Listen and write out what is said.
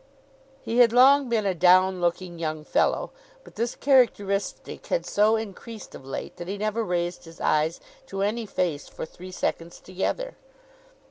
He had long been a down looking young fellow, but this characteristic had so increased of late, that he never raised his eyes to any face for three seconds together.